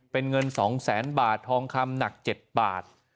เป็นเงิน๒แสนบาททองคำหนัก๗บาท